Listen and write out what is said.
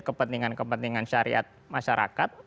kepentingan kepentingan syariat masyarakat